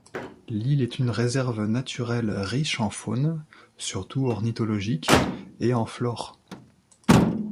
L’île est une réserve naturelle riche en faune, surtout ornithologique, et en flore.